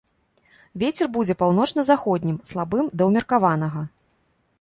Вецер будзе паўночна-заходнім, слабым да ўмеркаванага.